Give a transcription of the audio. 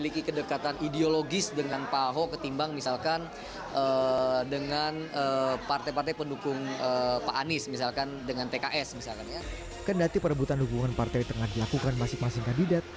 kedeti perebutan dukungan partai tengah dilakukan masing masing kandidat